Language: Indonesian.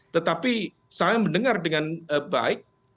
tetapi saya mendengar dengan baik